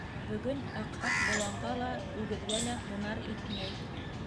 Бөгөн Аҡһаҡ боланға ла, үгеҙгә лә һунар итмәй.